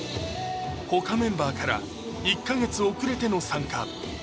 他メンバーから１か月遅れての参加